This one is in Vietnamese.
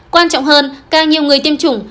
quan trọng hơn càng nhiều người tiêm chủng